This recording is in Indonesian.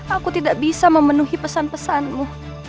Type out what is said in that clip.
aku tidak bisa memenuhi pesan pesanmu